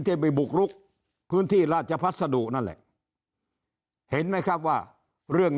ไปบุกรุกพื้นที่ราชพัสดุนั่นแหละเห็นไหมครับว่าเรื่อง